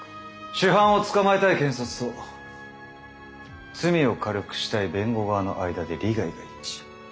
主犯を捕まえたい検察と罪を軽くしたい弁護側の間で利害が一致。